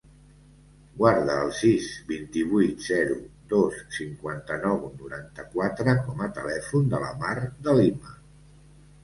Guarda el sis, vint-i-vuit, zero, dos, cinquanta-nou, noranta-quatre com a telèfon de la Mar De Lima.